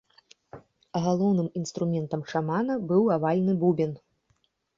Галоўным інструментам шамана быў авальны бубен.